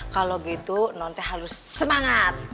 kalau gitu non teh harus semangat